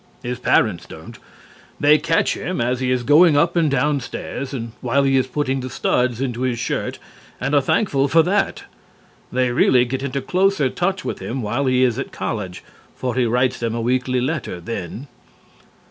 His parents don't. They catch him as he is going up and down stairs and while he is putting the studs into his shirt, and are thankful for that. They really get into closer touch with him while he is at college, for he writes them a weekly letter then.